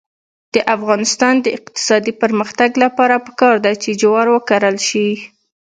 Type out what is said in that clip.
د افغانستان د اقتصادي پرمختګ لپاره پکار ده چې جوار وکرل شي.